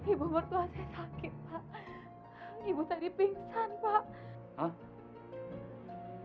ibu mertua saya sakit pak ibu tadi pingsan pak